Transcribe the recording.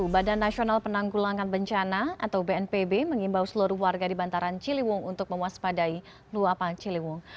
badan nasional penanggulangan bencana atau bnpb mengimbau seluruh warga di bantaran ciliwung untuk mewaspadai luapan ciliwung